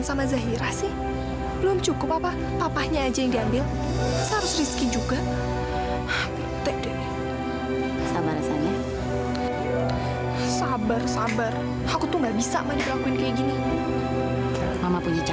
sampai jumpa di video selanjutnya